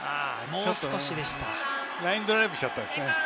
ラインドライブしちゃったんですね。